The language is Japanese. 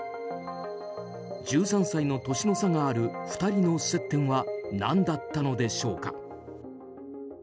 １３歳の年の差がある２人の接点はなんだったのでしょうか。